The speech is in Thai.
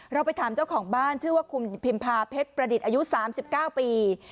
ไปถามเจ้าของบ้านชื่อว่าคุณพิมพาเพชรประดิษฐ์อายุ๓๙ปี